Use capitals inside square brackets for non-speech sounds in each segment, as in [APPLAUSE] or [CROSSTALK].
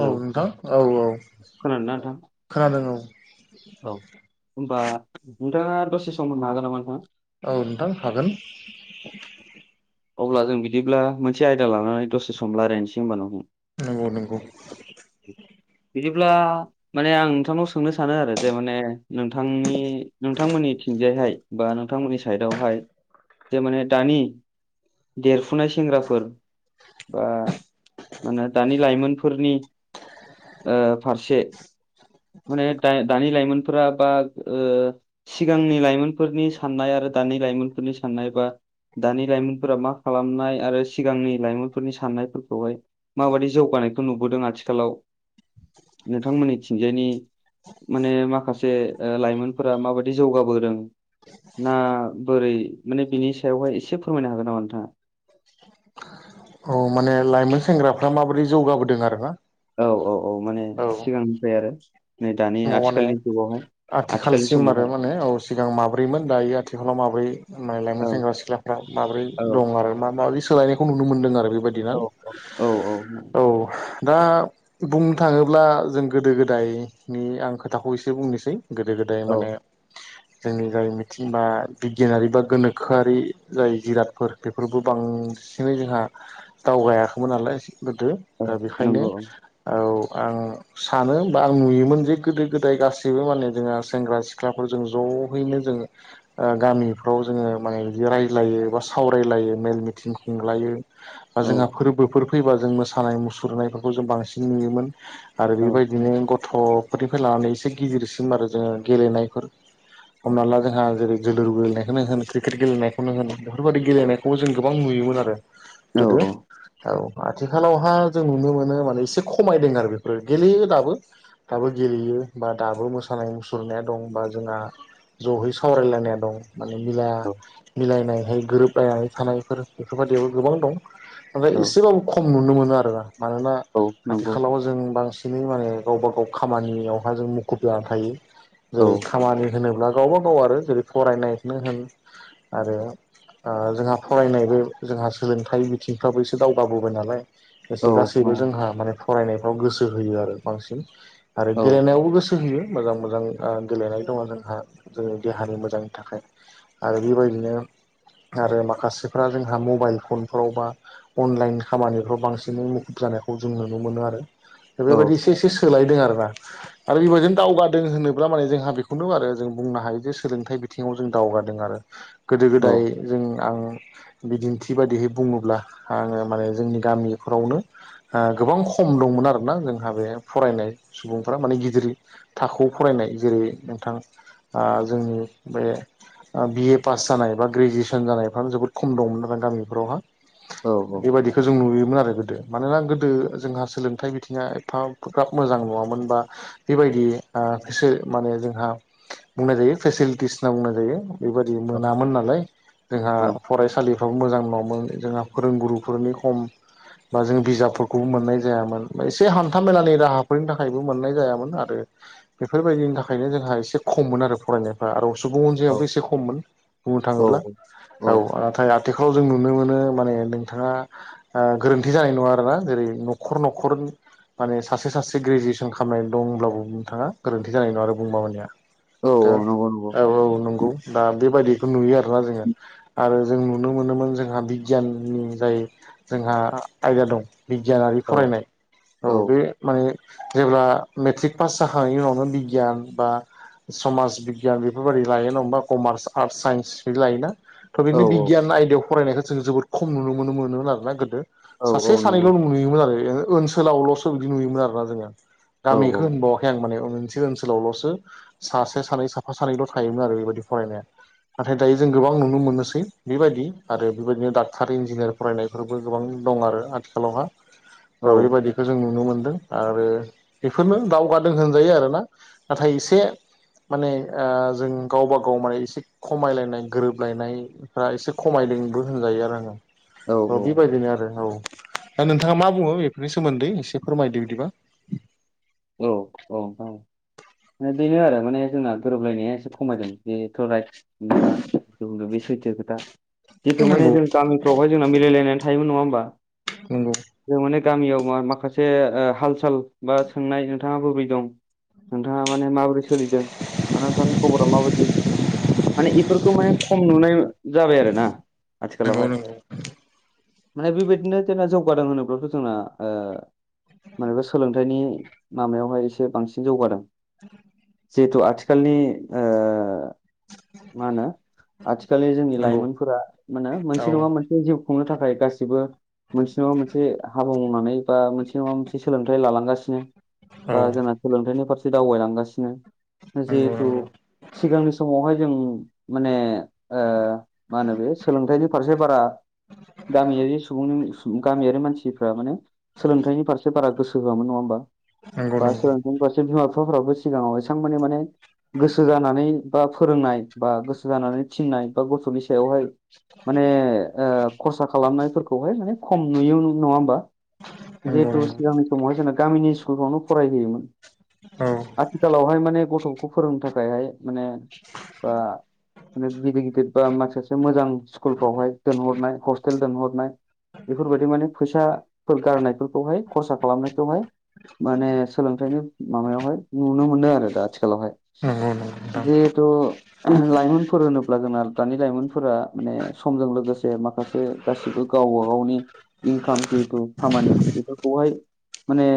औ नोंथां औ औ खोनादोंना नोंथां खोनादों औ। औ होमबा नोंथाङा दसे सम होनो हागोन नामा नोंथां? औ नोंथां हागोन। अब्ला जों बिदिब्ला मोनसे आयदा लानानै दसे सम लायरायनोसै होमबा नोंथां। नोंगौ नोंगौ बिदिब्ला माने आं नोंथांनाव सोंनो सानो आरो जे माने नोंथांनि नोंथांमोननिथिंजायहाय बा नोंथांमोननि साइडआवहाय जे माने दानि देरफुनाय सेंग्राफोर बा मानो दानि लाइमोनफोरनि ओ फारसे माने दाय-दानि लाइमोनफोरा बा ओ सिगांनि लाइमोनफोरनि साननाय आरो दानि लाइमोनफोरनि साननाय बा दानि लाइमोन फोरा मा खालामनाय आरो सिगांनि लाइमोनफोरनि साननायफोरखौहाय। माबायदि जौगानायखौ नुबोदों आथिखालाव नोंथांमोननिथिंजायनि माने माखासे ओ लाइमोनफोरा माबायदि जौगाबोदों? ना बोरै माने बिनि सायावहाय एसे फोरमायनो हागोन नामा नोंथाङा? औ माने लाइमोन सेंग्राफ्रा माबोरै जौगाबोदों आरो ना? औ औ औ माने सिगांनिफाय आरो नै दानि माने आथिखालनि जुगाव। आथिखालसिम आरो माने औ सिगां माब्रैमोन दायो आथिखालाव माब्रै माय लाइमोन औ सेंग्रा सिख्ला फ्रा माब्रै औ दं आरो मा माबि सोलायनाय खौ नुनो मोनदों आरो बेबायदिना। औ औ औ दा बुंनो थाङोब्ला जों गोदो गोदायनि आं खोथाखौ एसे बुंनोसै गोदो गोदाय औ माने जोंनि जाय मिथिं बा बिगियानारि बा गोनोखोआरि जाय जिरादफोर बेफोरबो बां सिनै जोंहा दावगायाखैमोन नालाय एसे गोदो। औ ओ बेखायनो नंगौ औ आं सानो बा आं नुयोमोन जे गोदो गोदाय गासैबो माने जोंहा सेंग्रा सिख्लाफोर जों ज'हैनो जोङो ओ गामिफ्राव जोङो माने इदि रायज्लायो बा सावरायलायो मेल मिथिं खुंलायो। बा औ जोंहा फोरबोफोर फैबा जों मोसानाय मुसुरनायफोरखौ जों बांसिन नुयोमोन। आरो औ बेबायदिनो गथ'फोरनिफ्राय लानानै इसे गिदिरसिम आरो जोङो गेलेनायफोर। हमना ला जोंहा जेरै जोलुर गेलेनायखोनो होन क्रिकेट गेलेनायखौनो होन बेफोरबादि गेलेनाय खौ जों गोबां नुयोमोन आरो औ गोदो। औ आथिखालावहा जों नुनो मोनो माने एसे खमायदों आरो बेफोरो गेलेयो दाबो। दाबो गेलेयो बा दाबो मोसानाय मुसुरनाया दं। बा जोंङा ज'है सावरायलायनाय दं। माने मिला औ मिलायनायहाय गोरोबलायनानै थानायफोर बेफोरबायदियाव गोबां दं। नाथाय औ एसेबाबो खम नुनो मोनो आरोना मानोना औ नंगौ आथिखालाव जों बांसिन बिदिनो माने गावबा गाव खामानियावहा जों मुखुब जानानै थायो जेरै औ खामानि होनोब्ला गावब गाव आरो जेरै फरायनायखौनो होन आरो जोंहा फरायनायबो जोंहा सोलोंथाइ बिथिंफ्राबो एसे दावगाबोबाय नालाय एसे औ गासैबो नंगौ जोंहा माने फरायनायफ्राव गोसो होयो आरो बांसिन आरो औ गेलेनायावबो गोसो गोसो होयो मोजां मोजां गेलेनाय दङ जोंहा जोंनि देहानि मोजांनि थाखाय आरो बेबायदिनो आरो माखासेफ्रा जोंहा मबाइल फनफोरावबा अनलाइन खामानिफ्राव बांसिनै मुखुब जानायखौ जों नुनो मोनो आरो औ बेबायदि एसे एसे सोलायदों आरोना। आरो बेबायदिनो दावगादों होनोब्ला माने जोंहा बेखौनो आरो जों बुंनो हायो जे सोलोंथाइ बिथिङाव जों दावगादों आरो। गोदो औ गोदाय जों आं बिदिन्थि बायदिहै बुङोब्ला आङो माने जोंनि गामिफोरावनो गोबां खम दंमोन आरोना जोंहा बे फरायनाय सुबुंफोरा माने गिदिर थाखोआव फरायनाय जेरै नोंथां ओ जोंनि बे बि ए पास जानाय बा ग्रेजुवेसन जानायफ जोबोद खम दंमोन आरो गामिफोरावहा औ औ बेबायदि खौ जों नुयोमोन आरो गोदो मानोना गोदो जोंहा सोलोंथाइ बिथिङा एफ्राराब मोजां मोनो नङामोन बा बेबायदिसो माने जोंहा बुंनाय जायो फेसिलिटिस होनना बुंनाय जायो बेबायाददि मोनामोन नालाय जोंहा फरायसालि बेब मोजां नङामोन जोंहा फोरोंगुरुफोरनि खम बा जों बिजाबफोरखौबो मोननाय जायामोन एसे हान्था मेलानि राहा फनो थाखायबो मोननाय जायामोन आरो बेफोरबायदिनि थाखायनो जोंहा एसे खममोन आरो फरायनो आरो सुबुं अनजिाबो एसे खममोन बुंनो औ थाङोब्ला औ नाथाय आथिखालाव जों नुनो मोनो माने नोंथाङा गोरोन्थि जानाय नङा आरोोना जेरै न'खर न'खर माने सासे सासे एसे ग्रेजुवेसन खालामनाय दं होनब्लाबो नोंथाङा गोरोन्थि जानाय नङा आरो बुंबा मानिया दा नंगौ नंगौ औ औ नंगौ दा बेबायदिखौ नुयो आरो ना जोङो आरो जों नुनो मोनोमोन जोंहा बिगियाननि जाय जोंहा आयदा दं बिगियानारि औ फरायनाय औ बे माने जेब्ला मेट्रिक पास जाखांनायनि उनावनो बिगियान बा समाज बिगियान बेफोरबायाददि लायो ना हबा कमार्स आर्टस साइन्स बि लायोना थ' औ बिनो बिगियान आयदायाव फरायनायखौ जों जोबोद खम नुनो मोनो मोनोमोन आरोना गोदो औ सासे सानैल' नंगौ नु नुयोमोन आरो ओनसोलावल'सो बिदि नुयोमोन आरोना जोङो औ गामिखौ होनबाव फें माने ओं ओंसो ओनसोलावल'सो सासे सानै साफा सानैल' थायोमोन आरो बेबायदि फरायनाया नाथाय दायो जों गोबां नुनो मोनोसै बेबायदि आरो बेबायदिनो डाक्टार इन्जिनियार फरायनायफोरबो गोबां दं आरो आथिखालावहा दा बेबायदिखौ जों नुनो मोन्दों। आरो बेफोरनो दावगादो होनजायो आरोना, नाथाय एसे माने ओ जों गावबा गाव माने एसे खमायलायनाय गोरोबलायनाय फ्रा एसे खमायदोंबो होनजायो आरो आङो औ बेबायदिनो आरो औ। दा नोंथाङा मा बुङो बेफोरनि सोमोन्दै एसे फोरमायदो बिदिबा। औ औ औ बेनो आरो माने जोंना गोरोबलायनाया एसे खमायदों बेथ' राइट न ज बे सैथो खोथा जिथु माने नंगौ जों गामिफ्रावहाय जोंना मिलायलायनानै थायोमोन नङा होमबा नंगौ जों माने गामियाव म माखासे हाल साल बा सोंनाय नोंथाङा बै दं नोंथाङा माने माबोरै सोलिदों आरो नोंथांनि खबरा माबायदि माने बेफोरखौ माने खम नुनाय जाबाय आरो ना नंगौ आथिखालावहाय माने बेबायदिनो जोंना जौगादों होनोब्लाथ' जोंना ओ मानेबा सोलोंथाइनि मामायावहाय एसे बांसिन जौगादों [UNINTELLIGIBLE] जिहेथु आथिखालनि ओ मानो आथिखालनि जोंनि नंगौ नंगौ लाइमोनफोरा मानो औ मोनसे नङा मोन जिउ खुंनो थाखाय गासिबो मोनसे नङा मोनसे हाब बुंनानै बा मोनसे नङा मोनसे सोलोंथाइ लालांगासिनो औ बा जोंना सोलोंथाइनि फारसे दावबायलांगासिनो नंगौ जिहेथु नंगौ सिगांनि समावहाय जों माने ओ मा होनो बे सोलोंथाइनि फारसे बारा गामियारि सुबुंनि सु गामियारि मानसिफ्रा माने सोलोंथाइनि फारसे बारा गोसो होआमोन नङा होमबा? नंगौ बा सोलोंथि फारसे बिमा बिफाफ्राबो सिगाङाव एसां मानानि माने गोसो जानानै बा फोरोंनाय बा गोसो जानानै थिननाय बा गथ'नि सायावहाय माने खरसा खालामनायफोरखौहाय माने खम नुयो नङा होमबा नंगौ जिहेतु नंगौ सिगांनि समावहाय जोंना गामिनि [UNINTELLIGIBLE] आवनो फरायहोयोमोन औ। आथिखालावहाय माने गथ'खौ फोरोंनो थाखायहाय माने बा माने गिदिर गिदिर बा माखासे मोजां स्कुलफ्रावहाय दोनहरनाय हस्टेल दोनहरनाय बेफोरबायदि माने फैसा फोर गारनायफोरखौहाय खरसा खालामनायखौहाय माने सोलोंथाइनि माबायावहाय नुनो मोनदों आरो दा आथिखालावहाय नंगौ नंगौ नोंथां जिहेतु लाइमोनफोर होनोब्ला जोंना दानि लाइमोनफोरा माने समजों लोगोसे माखासे गासिबो गावबा गावनि इनकाम जितु खामानि बेफोरखौहाय माने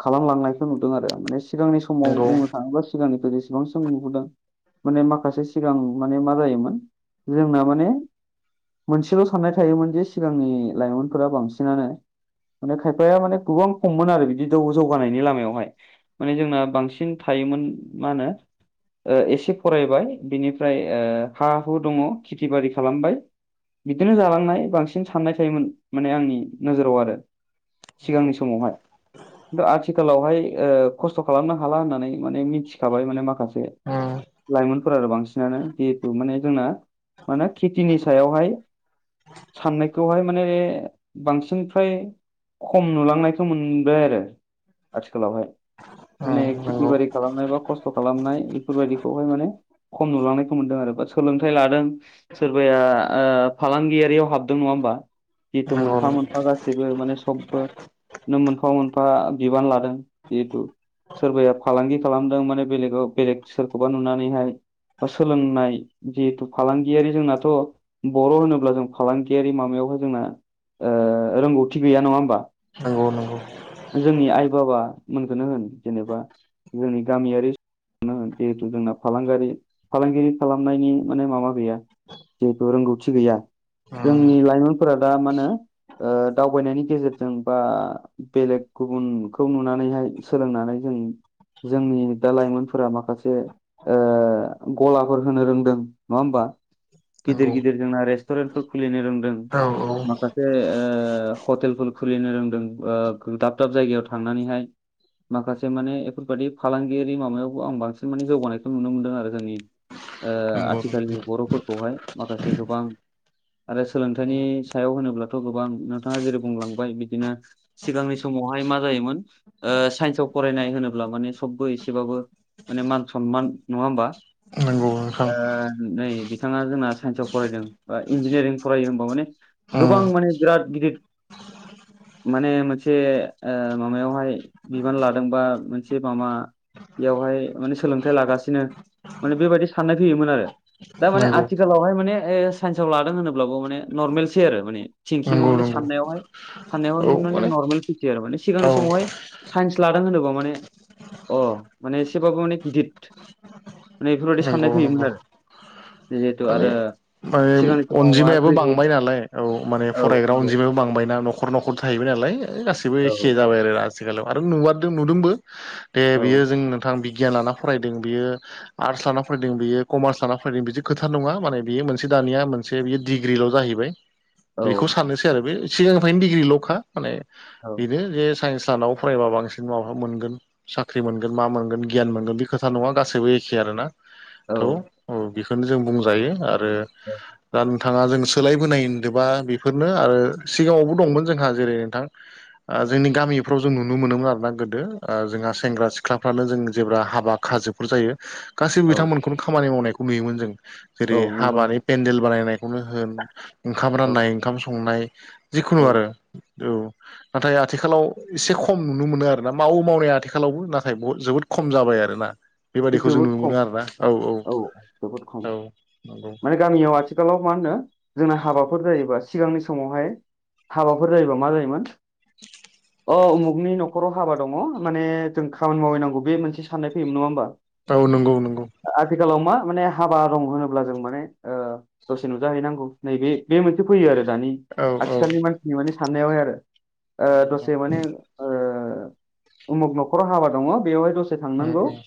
खालामलांनायखौ नुदों आरो माने सिगांनि समाव नंगौ बुंनो थाङोब्ला सिगांनिफ्राय जेसेबांसिम नुबोदों माने माखासे सिगां माने मा जायोमोन जोंना माने मोनसेल' साननाय थायोमोन जे सिगांनि लाइमोनफोरा बांसिनानो माने खायफाया माने गोबां खममोन आरो बि बिदौ जौगानायनि लामायावहाय माने जोंना बांसिन थायोमोन मा होनो ओ एसे फरायबाय, बिनिफ्राय ओ हा हु दङ खेथि बारि खालामबाय बिदिनो जालांनाय बांसिन साननाय थायोमोन माने आंनि नोजोराव आरो। सिगांनि नंगौ समावहाय खिन्थु आथिखालावहाय ओ खस्थ' खालामनो हाला होननानै माने मिथिखाबाय माने माखासे उम उम लाइमोन फोर आरो बांसिनानो जिहेतु माने जोंना माने खेथिनि सायावहाय साननायखौहाय माने बांसिनफ्राय्र खम नुलांनायखौ मोन आरो आथिखालावहाय माने खेथि नंगौ बारि खालाम खस्थ खस्थ' खालामनाय बेफोरबायदिखौहाय माने खम नुलांनायखौ मोनदों आरो बा सोलोंथाइ लादों सोरबाया फालांगियारियाव हाबदों नङा होमबा जिथु नंगौ नंगौ मोनफा मोनफा गासैबो माने सबबो ननो मोनफ मोनफा मोनफा बिबान लादों जिहेथु सोरबाया फालांगि खालामदों माने बेलेगाव बेलेग सोरखौबा नुनानैहाय बा सोलोंनाय जिहेथु फालांगियारि जोंनाथ' बर' होनोब्ला जों फालांगियारि माबायावहाय जोंना ओ रोंगौथि गैया नङा होमबा? नंगौ नंगौ। जोंनि आइ बाबा मोनखौनो होन जेनेबा जोंनि गामियारि नो होन जिहेथु जोंना फालांगारि फालांगिरि खालामनायनि माने माबा गैया जहेथु रोंगौथि गैया जोंनि लाइमोनफोरा दा मानो ओ दावबायनायनि गेजेरजों बा बेलेग गुबुनखौ नुनानैहाय सोलोंनानै जों जोंनि दा लाइमोनफोरा माखासे गलाफोर होनो रोंदों नङा होमबा गिदिर नंगौ गिदिर जोंना रेस्टुरेन्टफोर खुलिनो रोंदों औ माखासे हटेलफोर खुलिनो रोंदों दाब दाब जायगायाव थांनानैहाय माखासे माने बेफोरबायाददि फालांगियारि माबायावबो आं बांसिन माने जौगानायखौ नुनो मोनदों आरो जोंनि नंगौ आथिखालनि नंगौ बर'फोरखौहाय माखासे गोबां आरो सोलोंथाइनि सायाव होनोब्लाथ' गोबां नोंथाङा जेरै बुंलांबाय बिदिनो सिगांनि समावहाय मा जायोमोन ओ साइन्सआव फरायनाय होनोब्ला माने सबबो एसेबाबो माने मान सनमान नङा होमबा नंगौ नोंथां नै बिथाङा जोंना साइन्सआव फरायदों बा इन्जिनियारिं फरायो हबा माने गोबां उम माने बिराद गिदिर माने मोनसे माबायावहाय बिबान लादों बा मोनसे माबा बेयावहाय माने सोलोंथाइ लागासिनो माने बेबायाददि साननाय फैयोमोन आरो दा माने नंगौ आथिखालावहाय माने साइन्साव लादों होनोब्लाबो माने नरमेलसै आरो माने थिंकिंव नंगौ माने नंगौ साननायावहाय साननायावहाय माने नर्मेल फिसि आरो माने औ सिगांनि समावहाय साइन्स लादों होनोबा माने अ माने एसेबाबो माने गिदिर माने बेफोरबायाददि नंगौ साननाय फैयोमोन नंगौ आरो जिहेथु माने आरो माने सिगांनि समावबा अनजिमायाबो ग्रेजुवेट बांबाय नालाय औ माने औ फरायग्रा नंगौ अनजिमायाबो बांबायना नखर न'खर न'खर थाहैबाय नालाय गासिबो औ एखे जाबाय आरो आथििखालाव आरो नुवारदों नुदोंबो दे औ बियो जों नोंथां बिगियान लाना फरायदों बियो आर्टस लाना फरायदों बियो कमार्स लाना फरायदों बिदि खोथा नङा माने बेयो मोनसे मोनसे दानिया मोनसे बियो डिग्रिल' जाहैबाय औ बेखौ साननोसै आरो बे सिगांनिफ्रायनो डिग्रिल'खा माने औ बेनो जे साइन्स लानाव फरायबा बांसिन माबा मोनगोन साख्रि मोनगोन मा मोनगोन गियान मोनगोन बे खोथा नङा गासैबो एखे आरो ना थौ औ बेखौनो जों बुंजायो आरो द नोंथाङा जों सोलायबोनाय होनदोंोबा बेफोरनो आरो सिगाङावबो दंमोन जोंहा जेरै नोंथां जोंनि गामिफ्राव जों नुनो मोनोमोन आर ना गोदो जोंहा सेंग्रा सिख्लाफ्रानो जों जेब्ला हाबा खाजोब जायो गासैबो औ बिथांमोनखौनो खामानि मावनायखौ नुयोमोन जों औ जेरै नंगौ हाबानि नंगौ केन्देल बानायनायखौनो होन ओंखाम औ राननाय ओंखाम संनाय औ जिखुनु आरो औ नाथाय आथिखालाव एसे खम नुनो मोनो आर ना मावो मावनाया आथिखालावबो नाथाय बहुत जोबोद खम जाबाय आरो ना बेबादिखौ जों जोबोद नुनो मोनो खम आरोना औ औ जोबोद खम औ नंगौ माने गामियाव आथिखालाव मा होनो जोंना हाबाफोर जायोबा सिगांनि समावहाय हाबाफोर जायोबा मा जायोमोन [INAUDIBLE] अ उमुगनि न'खराव हाबा दङ माने जों खामानि मावहैनांगौ बे मोनसे साननाय फैयोमोन नङा होमबा औ नंगौ नंगौ ओ आथिखालाव मा माने हाबा दं होनोब्ला जों माने ओ दसे नुजाहैनांगौ नैबे बे मोनसे फैयो आरो दानि औ औ आथिखालनि मानसिनि माने साननायावहाय आरो ओ नंगौ दसे नोंथां माने उमुग न'खराव हाबा दङ बेवहाय दसे उम थांनांगौ उम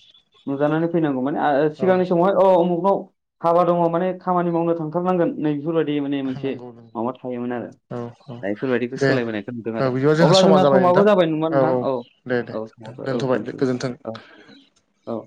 नुजानानै फैनांगौ माने औ सिगांनि समावहाय औ उमुखनाव हाबा दङ माने खामानि मावनो थांथारनांगोन नै बेफोरबायदि माने मोनसे नंगौ नंगौ माबा थायोमोन आरो औ औ दा बेफोरबायदिखौ दे सोलायबोनायखौ नुदों औ आरो बिदिबा जोंहा अब्ला समान जोंना नोंथां समाबो जाबाय नङा नोंथां औ दे दे औ साव औ दोनथ'बाय दे दोनथ' गोजोन्थों। औ औ